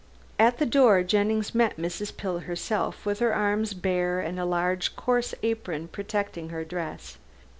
At the door Jennings met Mrs. Pill herself, with her arms bare and a large coarse apron protecting her dress.